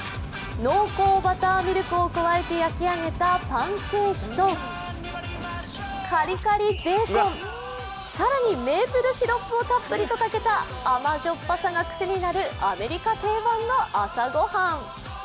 濃厚バターミルクを加えて焼き上げたパンケーキと、カリカリベーコン、更にメープルシロップをたっぷりかけた、甘じょっぱさが癖になるアメリカ定番の朝ごはん。